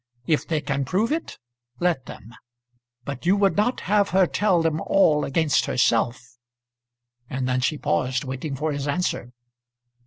If they can prove it, let them. But you would not have her tell them all against herself?" And then she paused, waiting for his answer.